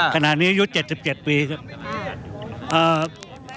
ขณะนี้อายุ๗๗ปีครับ